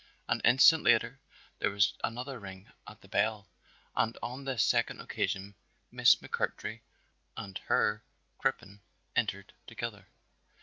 An instant later there was another ring at the bell and on this second occasion Miss McMurtry and Herr Crippen entered together.